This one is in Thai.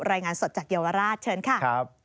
รายงานสดจากเยาวราชเชิญค่ะ